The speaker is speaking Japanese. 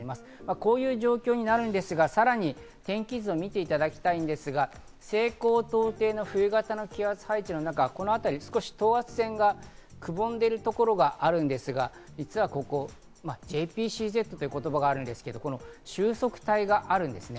こういう状況になるんですが、さらに天気図を見ていただきたいんですが、西高東低の冬型の気圧配置の中、このあたり、少し等圧線がくぼんでいるところがあるんですが、実はここ、ＪＰＣＺという言葉があるんですけど、収束帯があるんですね。